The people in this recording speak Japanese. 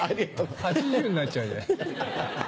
８０になっちゃうじゃん。